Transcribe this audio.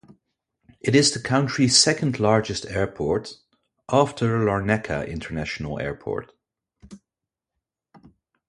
It is the country's second largest airport, after Larnaca International Airport.